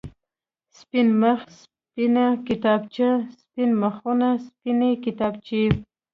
سپين مخ، سپينه کتابچه، سپين مخونه، سپينې کتابچې.